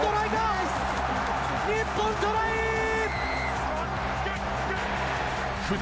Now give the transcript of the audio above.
日本、トライだ！